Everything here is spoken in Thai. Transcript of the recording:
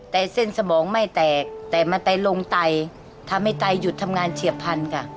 แต่เส้นสมองไม่แตกแต่มันไตลงไตทำให้ไตหยุดทำงานเฉียบพันธุ์ค่ะ